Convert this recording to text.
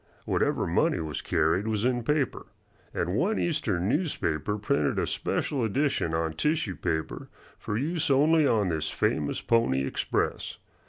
Whatever money was carried was in paper, and one Eastern newspaper printed a special edition on tissue paper for use only on this famous Pony Express.